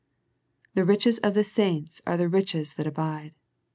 The riches of the saints are the riches that abide.